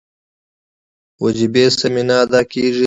وجیبې سمې نه ادا کېږي.